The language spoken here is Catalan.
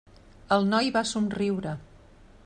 El noi va somriure.